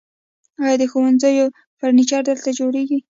آیا د ښوونځیو فرنیچر دلته جوړیږي؟